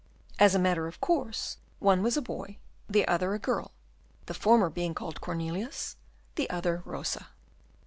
As a matter of course, one was a boy, the other a girl, the former being called Cornelius, the other Rosa.